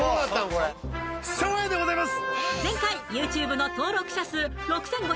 これ照英でございます